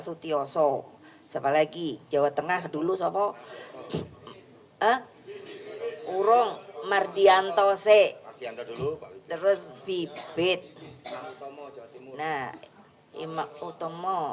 sutioso siapa lagi jawa tengah dulu siapa ah uroh mardiantose terus bibit nah imak utama